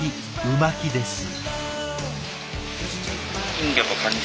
う巻きです。